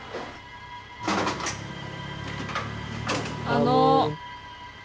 「あの」。